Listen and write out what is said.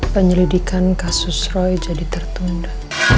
penyelidikan kasus roy jadi tertunda